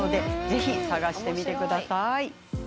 ぜひ探してみてください。